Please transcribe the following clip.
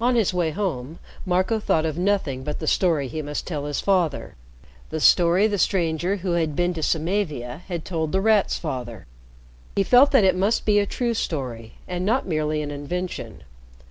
On his way home, Marco thought of nothing but the story he must tell his father, the story the stranger who had been to Samavia had told The Rat's father. He felt that it must be a true story and not merely an invention.